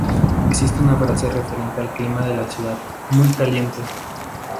Existe una frase referente al clima en la ciudad "Muy caliente!